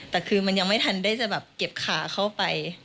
แต่คือมันยังไม่ทันได้จะแบบเก็บขาเข้าไป